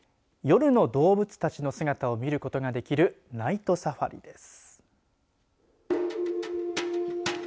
夜の動物たちの姿を見ることができるナイトサファリです。